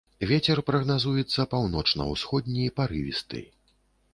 Вецер прагназуецца паўночна-ўсходні парывісты.